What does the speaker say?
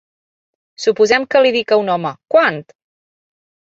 Suposem que li dic a un home, "quant"?